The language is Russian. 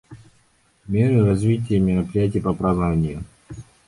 Меры в развитие мероприятий по празднованию.